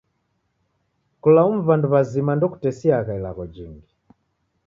Kulaumu w'andu w'azima ndokutesiagha ilagho jingi.